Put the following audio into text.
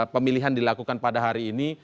pemilihan dilakukan pada hari ini